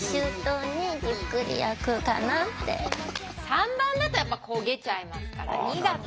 ３番だとやっぱ焦げちゃいますから２だと。